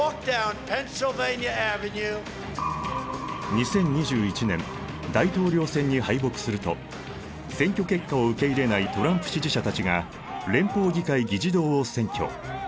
２０２１年大統領選に敗北すると選挙結果を受け入れないトランプ支持者たちが連邦議会議事堂を占拠。